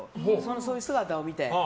そういう姿を見て。